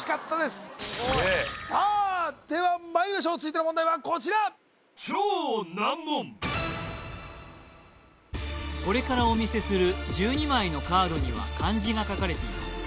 すごいさあではまいりましょう続いての問題はこちらこれからお見せする１２枚のカードには漢字が書かれています